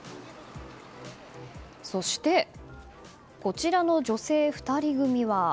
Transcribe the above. そして、こちらの女性２人組は。